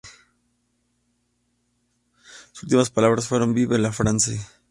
Sus últimas palabras fueron: "Vive la France".